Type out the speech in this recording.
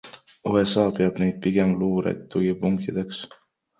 USA peab neid pigem luure tugipunktideks.